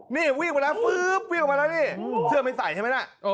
นี่วิ่งมาแล้วฟื๊บวิ่งออกมาแล้วนี่เสื้อไม่ใส่ใช่ไหมล่ะ